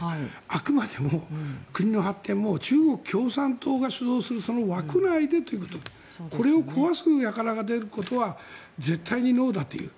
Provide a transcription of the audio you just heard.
あくまでも国の発展も中国共産党が主導するその枠内でということでこれを壊す輩が出ることは絶対にノーだという。